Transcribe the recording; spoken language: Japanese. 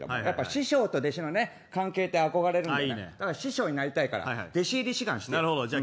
師匠と弟子の関係、憧れる師匠になりたいから弟子入り志願して。